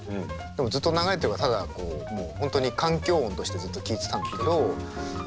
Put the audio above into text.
でもずっと流れてるからただもう本当に環境音としてずっと聴いてたんだけど。